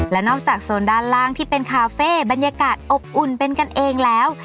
และนอกจากโซนด้านล่างที่เป็นคาเฟ่บรรยากาศอบอุ่นเป็นกันเองแล้ว